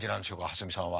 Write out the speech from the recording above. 蓮見さんは。